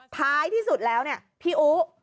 ท้ายที่สุดแล้วพี่อู๋